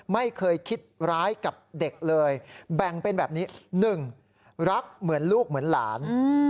ไม่เคยคิดร้ายกับเด็กเลยแบ่งเป็นแบบนี้๑รักเหมือนลูกเหมือนหลาน